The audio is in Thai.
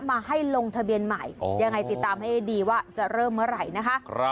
มาให้ลงทะเบียนใหม่ยังไงติดตามให้ดีว่าจะเริ่มเมื่อไหร่นะคะ